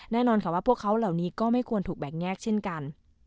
แน่นอนค่ะว่าพวกเขาเหล่านี้ก็ไม่ควรถูกแบ่งแยกเช่นกัน